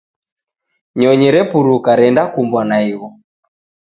Nyonyi repuruka renda kumbwa na igho.